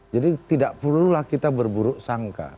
jadi tidak perlulah kita berburuk sangka